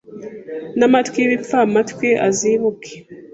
n’amatwi y’ibipfamatwi azibuke